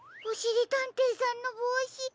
おしりたんていさんのぼうし！